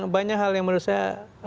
banyak hal yang menurut saya